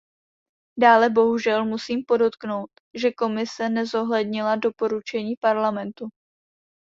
Dále bohužel musím podotknout, že Komise nezohlednila doporučení Parlamentu.